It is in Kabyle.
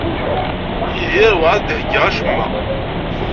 Yidir werɛad d-iheyya acemma.